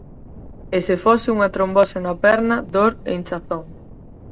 E se fose unha trombose na perna, dor e inchazón.